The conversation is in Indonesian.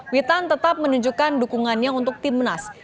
witan tetap menunjukkan dukungannya untuk timnas